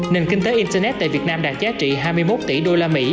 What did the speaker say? nền kinh tế internet tại việt nam đạt giá trị hai mươi một tỷ usd